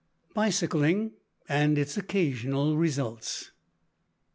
BICYCLING AND ITS OCCASIONAL RESULTS.